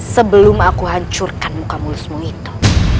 sebelum aku hancurkan muka mulusmu itu